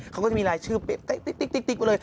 เขาก็จะมีรายชื่อเป๊ะติ๊กไปเลย